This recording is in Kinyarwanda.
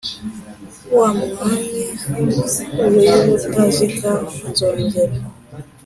wa mwami w’i butazika, nzogera